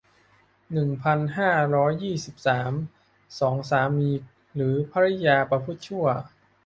หนึ่งพันห้าร้อยยี่สิบสาม สอง สามีหรือภริยาประพฤติชั่ว